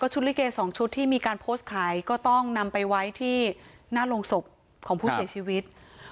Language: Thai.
ชุดลิเก๒ชุดที่มีการโพสต์ขายก็ต้องนำไปไว้ที่หน้าโรงศพของผู้เสียชีวิต